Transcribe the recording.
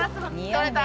取れた。